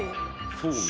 そうね。